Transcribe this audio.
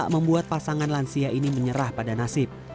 membuat pasangan lansia ini menyerah pada nasib